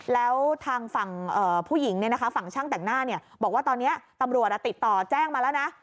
แล้วทางฝั่งผู้หญิงฝั่งช่างแต่งหน้าบอกว่าตอนนี้ตำรวจติดต่อแจ้งมาแล้วนะ